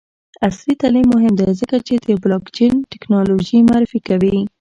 عصري تعلیم مهم دی ځکه چې د بلاکچین ټیکنالوژي معرفي کوي.